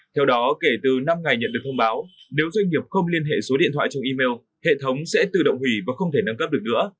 theo đó kể từ năm ngày nhận được thông báo nếu doanh nghiệp không liên hệ số điện thoại trong email hệ thống sẽ tự động hủy và không thể nâng cấp được nữa